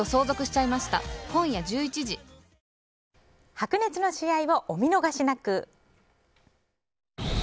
白熱の試合をお見逃しなく！